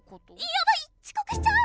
やばいちこくしちゃう！